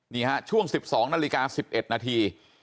นี่ฮะช่วง๑๒นาฬิกา๑๑นาที